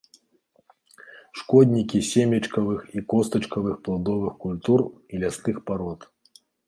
Шкоднікі семечкавых і костачкавых пладовых культур і лясных парод.